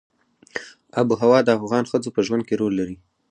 آب وهوا د افغان ښځو په ژوند کې رول لري.